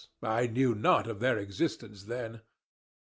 I knew not of their existence then.